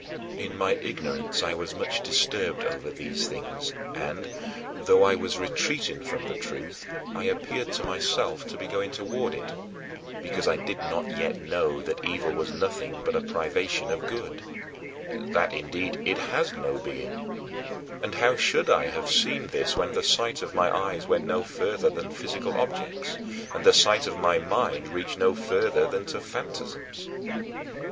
In my ignorance I was much disturbed over these things and, though I was retreating from the truth, I appeared to myself to be going toward it, because I did not yet know that evil was nothing but a privation of good (that, indeed, it has no being); and how should I have seen this when the sight of my eyes went no farther than physical objects, and the sight of my mind reached no farther than to fantasms?